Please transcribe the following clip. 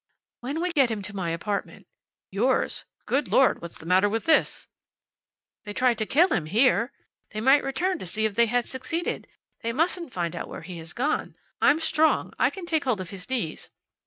"When we get him to my apartment." "Yours? Good Lord, what's the matter with this?" "They tried to kill him here. They might return to see if they had succeeded. They mustn't find where he has gone. I'm strong. I can take hold of his knees."